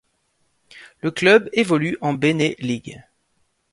Le club évolue en BeNe League.